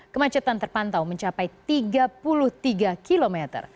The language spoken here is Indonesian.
kemacetan terpantau mencapai tiga puluh tiga km